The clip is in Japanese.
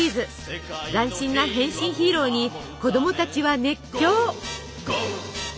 斬新な変身ヒーローに子供たちは熱狂！